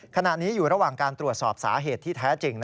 ขณะนี้อยู่ระหว่างการตรวจสอบสาเหตุที่แท้จริง